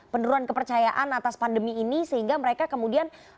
penurunan kepercayaan atas pandemi ini sehingga mereka kemudian